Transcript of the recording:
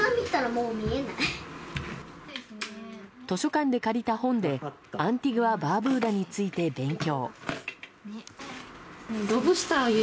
図書館で借りた本でアンティグア・バーブーダについて勉強。